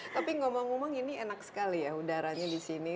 tapi ngomong ngomong ini enak sekali ya udaranya di sini